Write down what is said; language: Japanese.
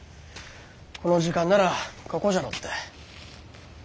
この時間ならここじゃろって。